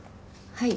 はい。